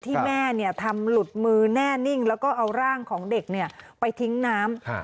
ที่แม่ทำหลุดมือแน่นิ่งแล้วก็เอาร่างของเด็กไปทิ้งน้ำ